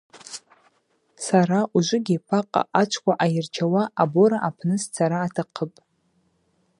Сара ужвыгьи Пакъа ачвква ъайырчауа абора апны сцара атахъыпӏ.